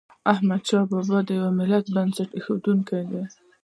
احمد شاه بابا د یو ملت بنسټ کېښود.